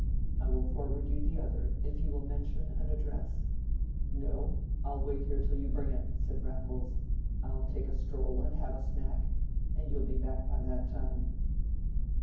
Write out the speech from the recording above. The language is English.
"I will forward you the other if you will mention an address." "No, I'll wait here till you bring it," said Raffles. "I'll take a stroll and have a snack, and you'll be back by that time."